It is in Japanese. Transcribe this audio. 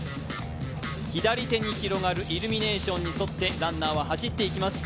左手に広がるイルミネーションに沿ってランナーは走っていきます。